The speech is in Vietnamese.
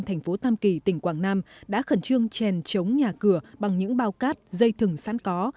thành phố tam kỳ tỉnh quảng nam đã khẩn trương chèn chống nhà cửa bằng những bao cát dây thừng sẵn có